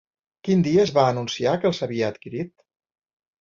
Quin dia es va anunciar que els havia adquirit?